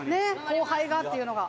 後輩がっていうのが」